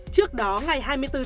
trước đó ngày hai mươi bốn một mươi